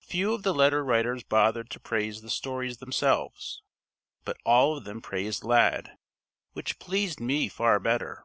Few of the letter writers bothered to praise the stories, themselves. But all of them praised Lad, which pleased me far better.